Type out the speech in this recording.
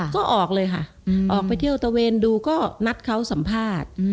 ก็ออกเลยค่ะออกไปเที่ยวตะเวนดูก็นัดเขาสัมภาษณ์